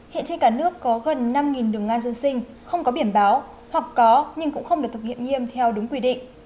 hiện trên cả nước có gần năm đường ngang dân sinh không có biển báo hoặc có nhưng cũng không được thực hiện nghiêm theo đúng quy định